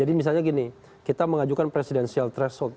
jadi misalnya gini kita mengajukan presidensial threshold